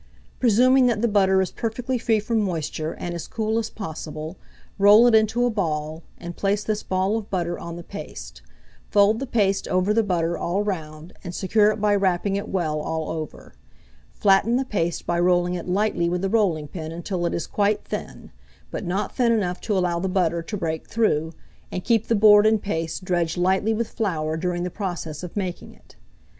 Presuming that the butter is perfectly free from moisture, and as cool as possible, roll it into a ball, and place this ball of butter on the paste; fold the paste over the butter all round, and secure it by wrapping it well all over. Flatten the paste by rolling it lightly with the rolling pin until it is quite thin, but not thin enough to allow the butter to break through, and keep the board and paste dredged lightly with flour during the process of making it.